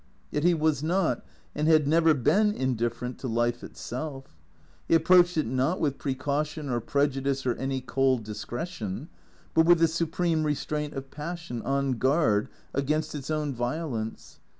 Yet he was not and had never been indifferent to life itself. He approached it, not with precaution or prejudice or any cold discretion, but with the supreme restraint of passion on guard against its own violence.